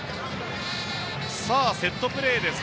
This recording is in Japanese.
セットプレーです。